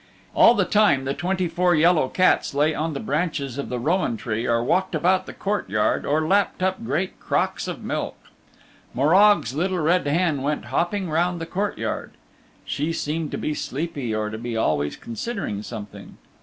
All the time the twenty four yellow cats lay on the branches of the Rowan Tree or walked about the court yard or lapped up great crocks of milk. Morag's Little Red Hen went hopping round the courtyard. She seemed to be sleepy or to be always considering something.